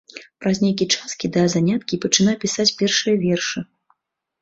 Праз нейкі час кідае заняткі і пачынае пісаць першыя вершы.